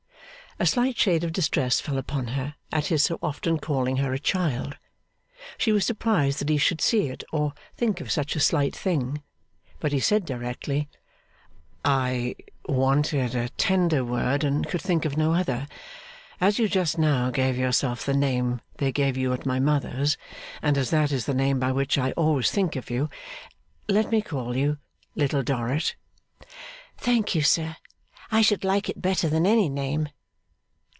A slight shade of distress fell upon her, at his so often calling her a child. She was surprised that he should see it, or think of such a slight thing; but he said directly: 'I wanted a tender word, and could think of no other. As you just now gave yourself the name they give you at my mother's, and as that is the name by which I always think of you, let me call you Little Dorrit.' 'Thank you, sir, I should like it better than any name.